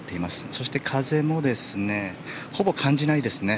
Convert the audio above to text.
そして風もほぼ感じないですね。